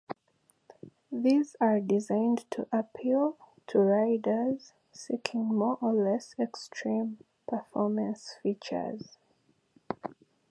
These are designed to appeal to riders seeking more or less extreme performance features.